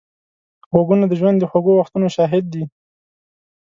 غوږونه د ژوند د خوږو وختونو شاهد دي